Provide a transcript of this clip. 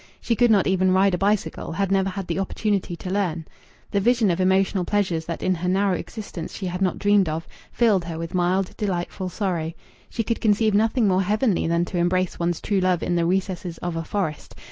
She could not even ride a bicycle, had never had the opportunity to learn. The vision of emotional pleasures that in her narrow existence she had not dreamed of filled her with mild, delightful sorrow. She could conceive nothing more heavenly than to embrace one's true love in the recesses of a forest....